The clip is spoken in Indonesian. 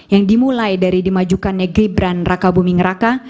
yang dimulai dari dimajukannya gibran raka buming raka